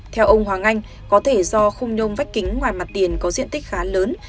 theo ông hoàng anh có thể do khung nhôm vách kính ngoài mặt tiền có diện tích khá lớn